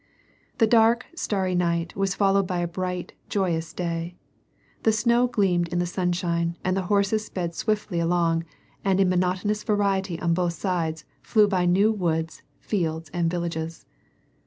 The dark, starry night was followed by a bright, joyous day. The snow gleamed in the sunshine, the horses sped swiftly along, and in monotonous variety on both sides flew by new woods, field?, and villages.